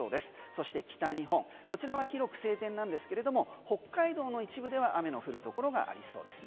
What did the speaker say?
そして北日本、こちらは広く晴天なんですけれども北海道の一部では雨の降るところがありそうです。